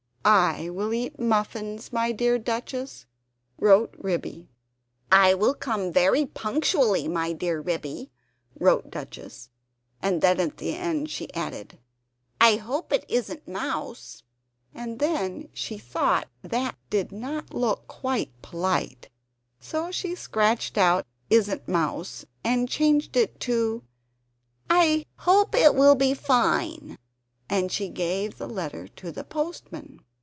I will eat muffins, my dear Duchess!" wrote Ribby. "I will come very punctually, my dear Ribby," wrote Duchess; and then at the end she added "I hope it isn't mouse?" And then she thought that did not look quite polite; so she scratched out "isn't mouse" and changed it to "I hope it will be fine," and she gave her letter to the postman.